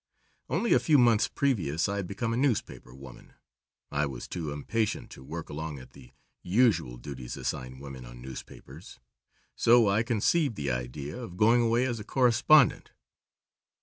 Only a few months previous I had become a newspaper woman. I was too impatient to work along at the usual duties assigned women on newspapers, so I conceived the idea of going away as a correspondent.